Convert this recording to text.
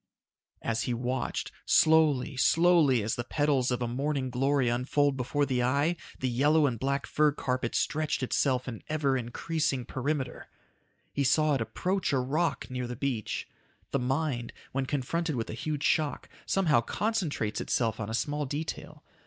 As he watched, slowly, slowly, as the petals of a morning glory unfold before the eye, the yellow and black fur carpet stretched itself in ever increasing perimeter. He saw it approach a rock near the beach. The mind, when confronted with a huge shock, somehow concentrates itself on a small detail.